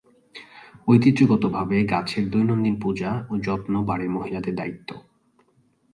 ঐতিহ্যগতভাবে, গাছের দৈনন্দিন পূজা ও যত্ন বাড়ির মহিলাদের দায়িত্ব।